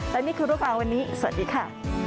และนี่คือรูปร่างวันนี้สวัสดีค่ะ